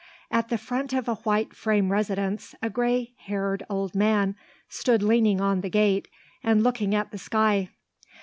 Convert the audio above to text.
At the front of a white frame residence a grey haired old man stood leaning on the gate and looking at the sky.